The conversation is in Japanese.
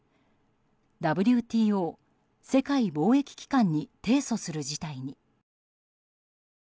ＷＴＯ・世界貿易機関に提訴する事態に。